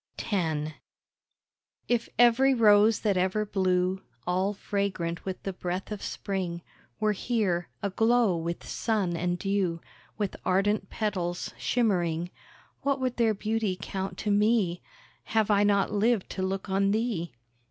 X If every rose that ever blew, All fragrant with the breath of Spring, Were here, aglow with sun and dew, With ardent petals shimmering— What would their beauty count to me, Have I not lived to look on thee?